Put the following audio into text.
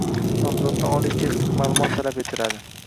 Nomzoddan oliy texnik maʼlumot talab etiladi.